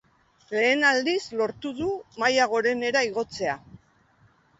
Lehen aldiz lortu du maila gorenera igotzea.